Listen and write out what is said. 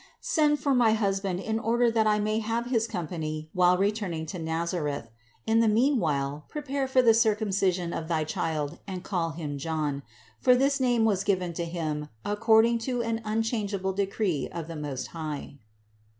Send for my husband in order that I may have his company while returning to Nazareth. In the meanwhile prepare for the circumcision of thy child and call him John ; for this name was given to him according to an unchangeable decree of the Most High."